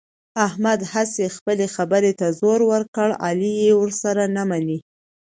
احمد هسې خپلې خبرې ته زور ور کړ، علي یې ورسره نه مني.